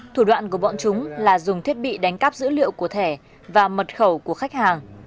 thủ đoạn của bọn chúng là dùng thiết bị đánh cắp dữ liệu của thẻ và mật khẩu của khách hàng